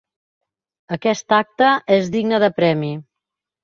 Aquest acte és digne de premi.